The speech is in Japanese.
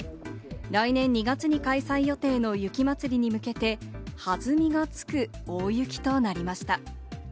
来年２月に開催予定の雪祭りに向けて、はずみがつく大雪となりました。